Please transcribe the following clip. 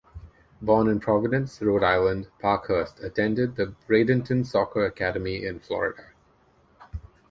Born in Providence, Rhode Island, Parkhurst attended the Bradenton Soccer Academy in Florida.